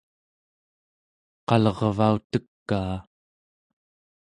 qalervautekaa